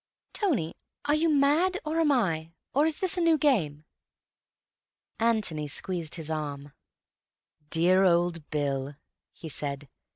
Tony, are you mad, or am I? Or is this a new game?" Antony squeezed his arm. "Dear old Bill," he said.